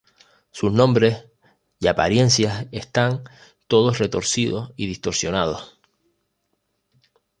Sus nombres y apariencias están todos retorcidos y distorsionados.